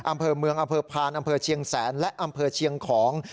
อำเภอพานอำเภอเชียงแสนและอำเภอเชียงของ